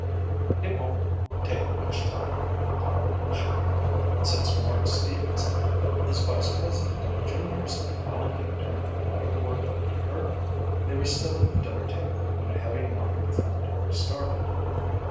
"It won't take much time," Tom assured her, "and since Marg Stevens is vice president of the juniors Helen can turn a lot of the work over to her." They were still at the dinner table when a heavy knock at the front door startled them.